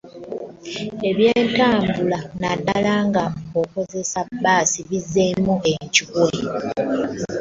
Eby'entambula naddala nga okozesa bbaasi bizzeemu enkyukwe.